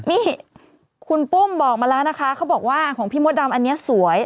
นี่คุณปุ้มบอกมาแล้วนะคะเขาบอกว่าของพี่มดดำอันนี้สวย